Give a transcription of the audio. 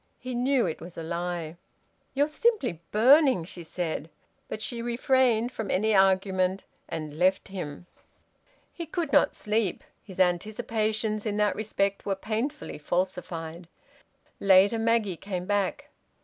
He knew it was a lie. "You're simply burning," she said, but she refrained from any argument, and left him. He could not sleep. His anticipations in that respect were painfully falsified. Later, Maggie came back.